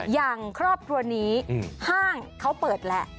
อย่างครอบครัวนี้ห้างเขาเปิดแล้ว